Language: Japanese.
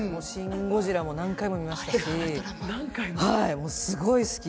「シン・ゴジラ」も何回も見ましたしすごい好き。